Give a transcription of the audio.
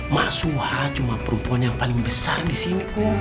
mak suha cuma perempuan yang paling besar disini kum